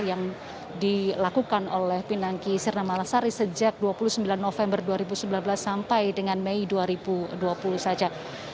yang dilakukan oleh pinangki sirena malasari sejak dua puluh sembilan november dua ribu sembilan belas sampai dengan mei dua ribu dua puluh saja